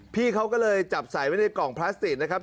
พี่เขาก็เลยจับใส่ไว้ในกล่องพลาสติกนะครับ